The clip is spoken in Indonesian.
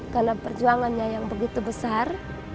karena perjuangannya yang begitu besar